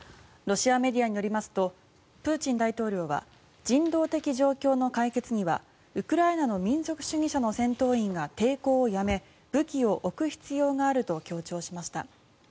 ロシアメディアによりますとプーチン大統領は人道的状況の解決にはウクライナの民族主義者の戦闘員が抵抗をやめ武器を置く必要があると強調しました。